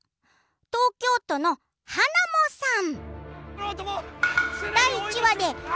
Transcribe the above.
東京都の、はなもさん。